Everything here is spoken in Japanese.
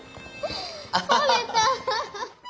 食べた！